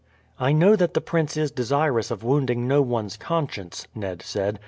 "I know that the prince is desirous of wounding no one's conscience," Ned said.